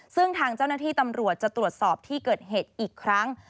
ซึ่งทางเจ้าหน้าที่ตำรวจจะตรวจสอบที่เกิดเหตุอีกครั้ง